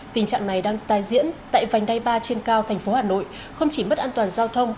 tình trạng này đang tái diễn tại vành đai ba trên cao thành phố hà nội không chỉ mất an toàn giao thông